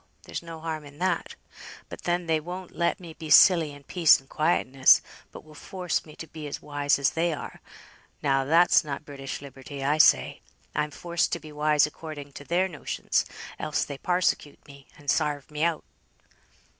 there's no harm in that. But then they won't let me be silly in peace and quietness, but will force me to be as wise as they are; now that's not British liberty, I say. I'm forced to be wise according to their notions, else they parsecute me, and sarve me out."